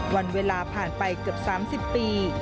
วันเวลาผ่านไปเกือบ๓๐ปี